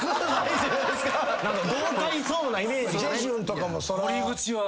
豪快そうなイメージがね。